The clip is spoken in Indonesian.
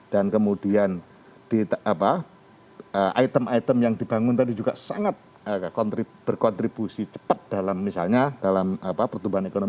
dan kemudian item item yang dibangun tadi juga sangat berkontribusi cepat dalam misalnya pertumbuhan ekonomi